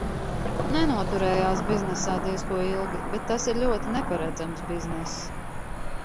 Nenoturējās biznesā diez ko ilgi, bet tas ir ļoti neparedzams bizness.